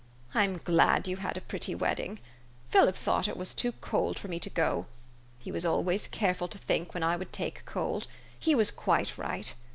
I'm glad you had a pretty wedding. Philip thought it was too cold for me to go. He was always careful to think when I would take cold. He was quite right.